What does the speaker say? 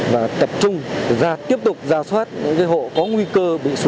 và tập trung ra tiếp tục ra soát những cái hộ có nguy cơ